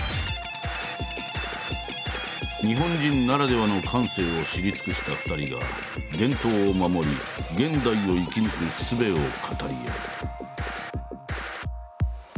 日本人ならではの感性を知り尽くした２人が伝統を守り現代を生き抜く術を語り合う。